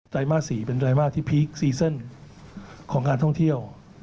ไรมาส๔เป็นไตรมาสที่พีคซีเซ่นของการท่องเที่ยว